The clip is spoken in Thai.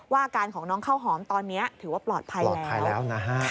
อาการของน้องข้าวหอมตอนนี้ถือว่าปลอดภัยแล้วนะฮะ